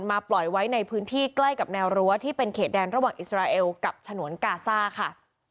ปล่อยไว้ในพื้นที่ใกล้กับแนวรั้วที่เป็นเขตแดนระหว่างอิสราเอลกับฉนวนกาซ่าค่ะ